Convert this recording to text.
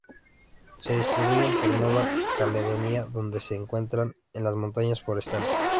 Se distribuyen por Nueva Caledonia donde se encuentran en las montañas forestales.